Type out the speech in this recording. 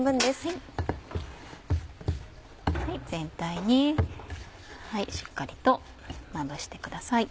全体にしっかりとまぶしてください。